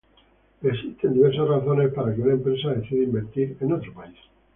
Existen diversas razones para que una empresa decida invertir en otro país.